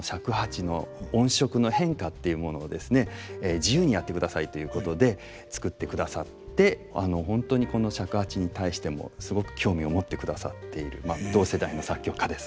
自由にやってくださいということで作ってくださって本当にこの尺八に対してもすごく興味を持ってくださっている同世代の作曲家です。